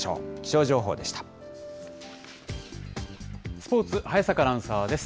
スポーツ、早坂アナウンサーです。